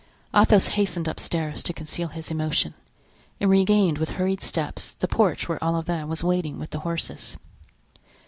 Athos hastened upstairs to conceal his emotion, and regained with hurried steps the porch where Olivain was waiting with the horses.